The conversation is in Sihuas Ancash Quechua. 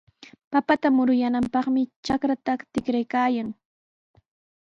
Papata muruyaananpaqmi trakrta tikraykaayan.